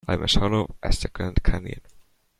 I'm as hollow as the Grand Canyon.